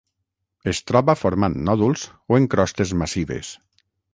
Es troba formant nòduls o en crostes massives.